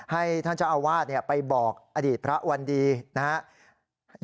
ให้ท่านเจ้าอาวาสไปบอกอดีตพระวันดีนะครับ